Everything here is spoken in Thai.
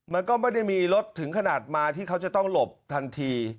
มันก็ไม่ได้มีรถถึงขนาดมาที่เขาจะต้องหลบทันที